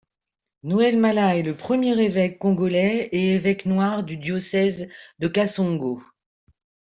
Noël Mala est le premier évêque congolais et évêque noir du diocèse de Kasongo.